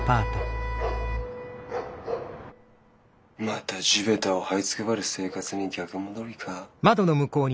また地べたをはいつくばる生活に逆戻りか。